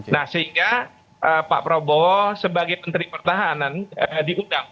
nah sehingga pak prabowo sebagai menteri pertahanan diundang